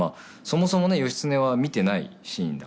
そもそもね義経は見てないシーンだから。